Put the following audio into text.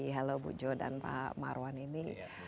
halo bu jo dan pak marwan ini